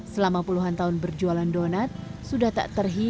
selama puluhan tahun berjualan donat sudah tak terhitung beberapa kali itu